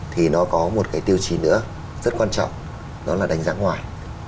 thì nó có một cái tiêu chí nữa rất quan trọng đó là đánh giá ngoài